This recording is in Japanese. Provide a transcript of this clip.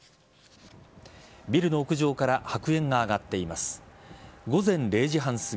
ビルの屋上から白煙が上がっています。